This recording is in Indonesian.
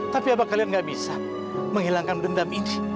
tapi apa kalian nggak bisa menghilangkan dendam ini